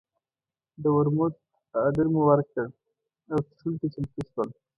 د ورموت اډر مو ورکړ او څښلو ته چمتو شول.